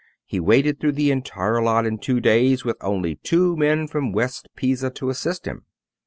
He waded through the entire lot in two days with only two men from West Pisa to assist him.